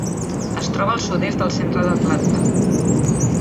Es troba al sud-est del centre d'Atlanta.